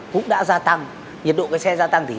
cũng đã gia tăng